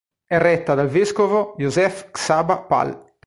È retta dal vescovo József-Csaba Pál.